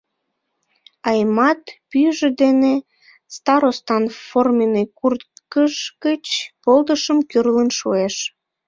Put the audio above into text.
Аймат пӱйжӧ дене старостан форменный курткыж гыч полдышым кӱрлын шуыш.